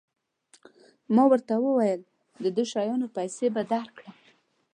ما ورته وویل د دې شیانو پیسې به درکړم.